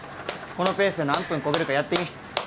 このペースで何分こげるかやってみ。